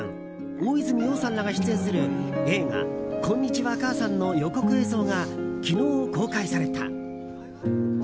大泉洋さんらが出演する映画「こんにちは、母さん」の予告映像が昨日、公開された。